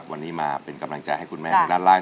วันนี้มาเป็นกำลังใจให้คุณแม่ทางด้านล่าง